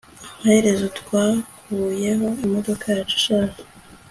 amaherezo twakuyeho imodoka yacu ishaje